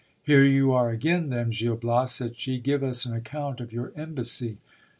Here you are again then, Gil Bias, said she, give us an account of your embassy.